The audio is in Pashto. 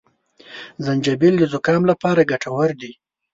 زنجپيل د زکام لپاره ګټور دي